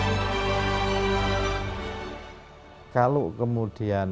agama adalah kemampuan yang harus dikembali ke kemerdekaan